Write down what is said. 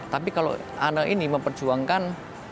tapi kalau anak ini memperjuangkan